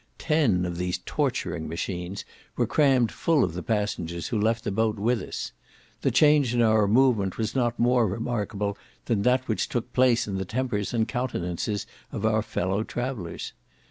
Ten of these torturing machines were crammed full of the passengers who left the boat with us. The change in our movement was not more remarkable than that which took place in the tempers and countenances of our fellow travellers.